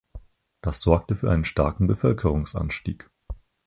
Das sorgte für einen starken Bevölkerungsanstieg.